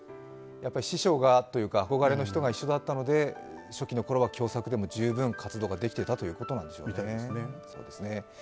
やっぱり師匠というか憧れの人が一緒だったので初期のころは共作でも十分活動ができていたということなんでしょうね。